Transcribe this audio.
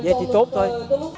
vậy thì tốt thôi